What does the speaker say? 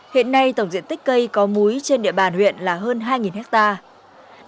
hiện nay tổng diện tích cây có múi trên địa bàn huyện là hơn hai hectare